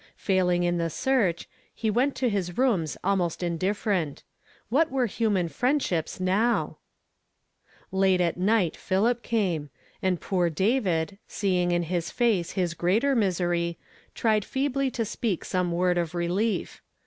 Failing in the search, he went to his rooms almost indifferent. What were human friendships now ?^ Late at night Philip came ; and poor David, see ing in his face his greater miserv, fi ipd feebly to speak some word of relief.